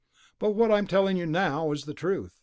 But what I'm telling you now is the truth."